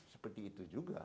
seperti itu juga